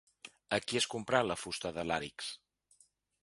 A qui es comprà la fusta de làrix?